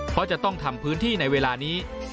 เพราะจะต้องทำพื้นที่ในเวลานี้